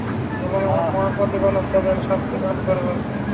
এবং আমার মহান প্রতিপালক তাদের শাস্তিদান করবেন।